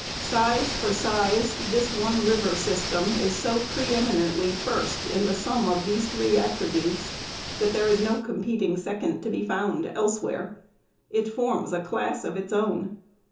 Size for size, this one river system is so pre eminently first in the sum of these three attributes that there is no competing second to be found elsewhere. It forms a class of its own.